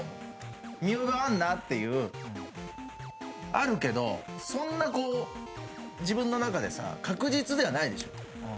見覚えあんなっていうあるけどそんなこう自分の中でさ確実ではないでしょ